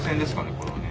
これはね。